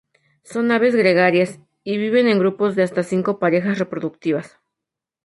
Son aves gregarias y viven en grupos de hasta cinco parejas reproductivas.